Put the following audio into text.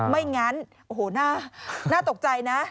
ไม่งั้นโอ้โหน่าตกใจนะ